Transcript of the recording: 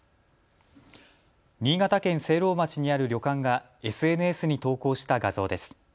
新潟県聖籠町にある旅館がＳＮＳに投稿した画像です。